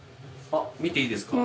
見ていいですか？